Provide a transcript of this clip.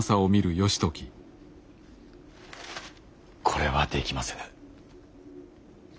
これはできませぬ。